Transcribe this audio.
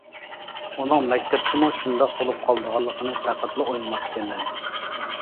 ئۇنىڭ مەكتەپتىمۇ شۇنداق بولۇپ قالىدىغانلىقىنى پەقەتلا ئويلىماپتىكەنمەن.